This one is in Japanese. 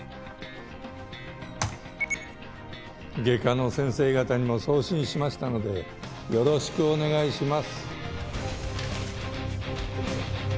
外科の先生方にも送信しましたのでよろしくお願いします。